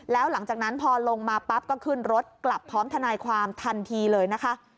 แล้วหลังจากนั้นพอลงมาปั๊บก็ขึ้นรถกลับพร้อมทนายความทันทีเลยนะคะ